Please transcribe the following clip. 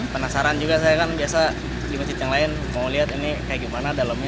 penasaran juga saya kan biasa di masjid yang lain mau lihat ini kayak gimana dalamnya